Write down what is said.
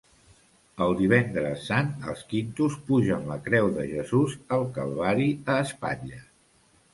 El Divendres Sant els quintos pugen la Creu de Jesús al calvari a espatlles.